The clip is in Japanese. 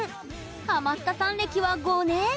ハマったさん歴は５年。